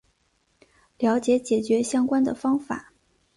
了解解决相关的方法